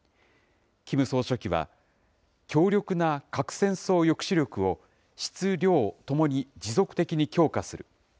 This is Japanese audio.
キム総書記は、強力な核戦争抑止力を、質・量ともに持続的に強化する。